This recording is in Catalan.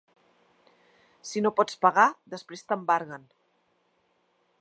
I si no pots pagar, després t’embarguen.